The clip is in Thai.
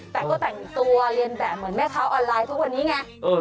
แต่ก็แต่งตัวเรียนแบบเหมือนแม่ค้าออนไลน์ทุกวันนี้ไง